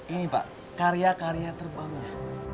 ini pak karya karya terbangnya